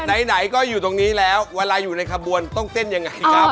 ไหนก็อยู่ตรงนี้แล้วเวลาอยู่ในขบวนต้องเต้นยังไงครับ